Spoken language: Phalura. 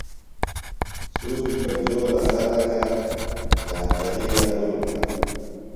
سُوری پچولہ خلکہ، کانترِیلہ ہُلُکہ